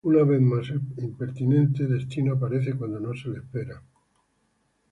Una vez más el impertinente destino aparece cuando no se le espera